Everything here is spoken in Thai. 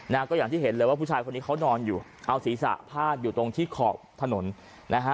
นะฮะก็อย่างที่เห็นเลยว่าผู้ชายคนนี้เขานอนอยู่เอาศีรษะพาดอยู่ตรงที่ขอบถนนนะฮะ